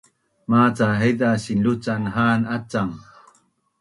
Maca haiza sinluc’an ha’an acang